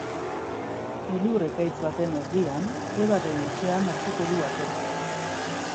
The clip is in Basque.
Elur ekaitz baten erdian, Evaren etxean hartuko du aterpe.